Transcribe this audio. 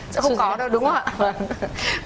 sẽ không có đâu đúng không ạ